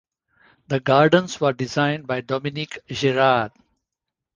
The gardens were designed by Dominique Girard.